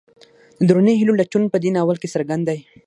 د دروني هیلو لټون په دې ناول کې څرګند دی.